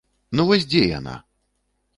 Ну вось дзе яна?